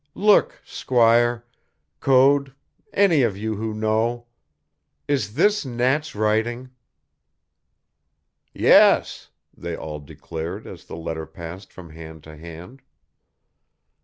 "Look, squire, Code, any of you who know. Is this Nat's writing?" "Yes," they all declared as the letter passed from hand to hand.